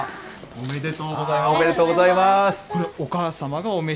おめでとうございます。